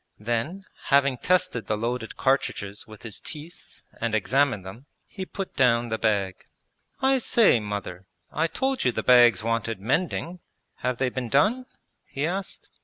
Then, having tested the loaded cartridges with his teeth and examined them, he put down the bag. 'I say, Mother, I told you the bags wanted mending; have they been done?' he asked.